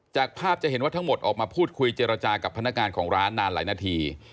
จากภาพจะเห็นว่าทั้งหมดออกมาพูดคุยเจรจากับพนักงานของร้านนานหลายนาที